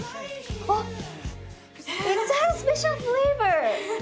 あっ！